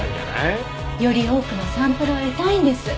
より多くのサンプルを得たいんです。